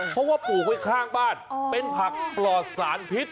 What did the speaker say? เพราะว่าปลูกไว้ข้างบ้านเป็นผักปลอดสารพิษ